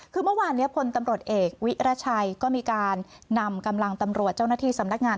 คือเมื่อวานนี้พลตำรวจเอกวิรัชัยก็มีการนำกำลังตำรวจเจ้าหน้าที่สำนักงาน